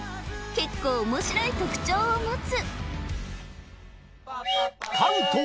結構面白い特徴を持つ！